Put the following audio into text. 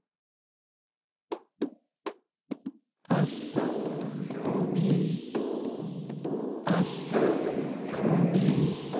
「あしたは土ようび」「あしたは土ようび」